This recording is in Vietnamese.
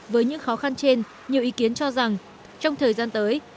với những khó khăn trên nhiều ý kiến cho rằng trong thời gian tới